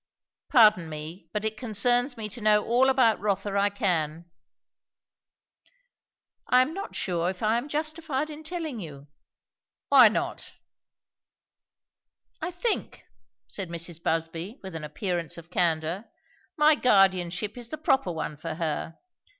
Pardon me, but it concerns me to know all about Rotha I can." "I am not sure if I am justified in telling you." "Why not?" "I think," said Mrs. Busby with an appearance of candour, "my guardianship is the proper one for her.